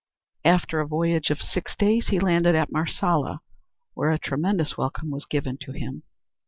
After a voyage of six days he landed at Marsala where a tremendous welcome was given to him.